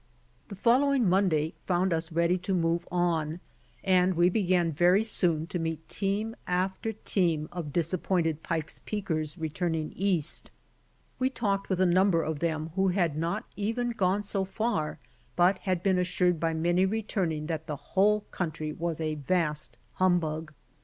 The following Monday found us ready to move on, and we began very soon to meet team after team of disappointed '^Pike's Peakers" returning East. We talked with a number of them who had not even gone so far, but had been assured by many returning that the whole country was a vast humbug.